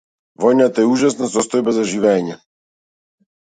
Војната е ужасна состојба за живеење.